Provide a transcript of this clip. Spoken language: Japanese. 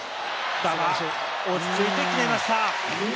馬場、落ち着いて決めました。